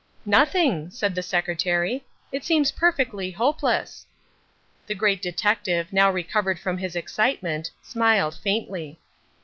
"Nothing," said the secretary; "it seems perfectly hopeless." The Great Detective, now recovered from his excitement, smiled faintly.